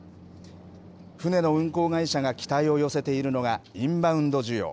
船の運航会社が期待を寄せているのがインバウンド需要。